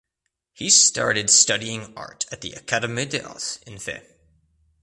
He started studying art at the "Academie des Arts" in Fes.